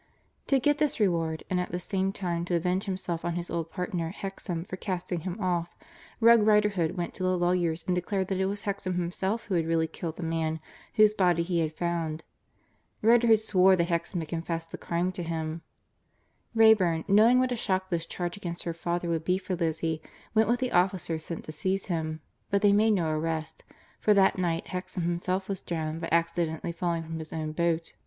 To get this reward and at the same time to avenge himself on his old partner Hexam for casting him off, Rogue Riderhood went to the lawyers and declared that it was Hexam himself who had really killed the man whose body he had found. Riderhood swore that Hexam had confessed the crime to him. Wrayburn, knowing what a shock this charge against her father would be for Lizzie, went with the officers sent to seize him. But they made no arrest, for that night Hexam himself was drowned by accidentally falling from his own boat.